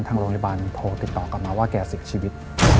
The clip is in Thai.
ทางโรงพยาบาลโทรติดต่อกลับมาว่าแกเสียชีวิต